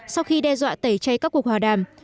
sau khi đe dọa tẩy chay các cuộc hòa đàm